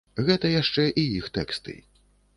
Гэта яшчэ і іх тэксты.